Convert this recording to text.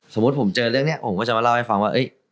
สมมุติผมเจอเรื่องนี้ผมก็จะมาเล่าให้ฟังว่า